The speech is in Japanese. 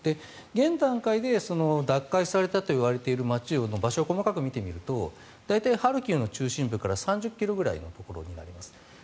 現段階で奪回されたといわれている場所の近くを細かく見ると大体、ハルキウの中心部から３０ｋｍぐらいのところになります。